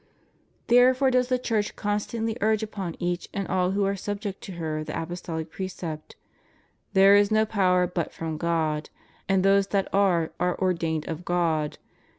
Therefore does the Church constantly urge upon each and all who are subject to her the apostolic precept: There is no power hut from God; and those that are, are ordained of God.